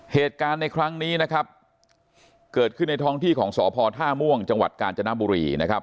เหตุการณ์ในครั้งนี้นะครับเกิดขึ้นในท้องที่ของสพท่าม่วงจังหวัดกาญจนบุรีนะครับ